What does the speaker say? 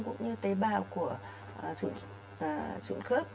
cũng như tế bào của khớp